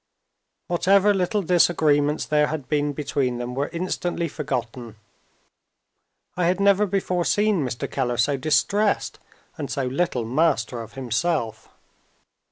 Whatever little disagreements there had been between them were instantly forgotten. I had never before seen Mr. Keller so distressed and so little master of himself.